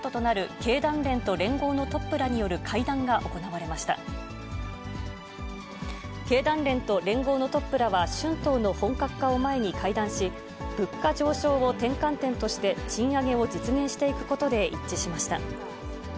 経団連と連合のトップらは、春闘の本格化を前に会談し、物価上昇を転換点として、賃上げを実現していくことで一致しました。